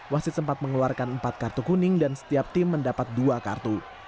wasit sempat mengeluarkan empat kartu kuning dan setiap tim mendapat dua kartu